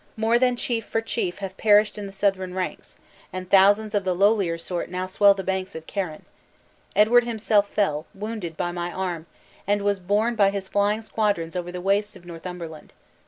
more than chief for chief have perished in the Southron ranks, and thousands of the lowlier sort now swell the banks of Carron. Edward himself fell, wounded by my arm, and was born by his flying squadrons over the wastes of Northumberland.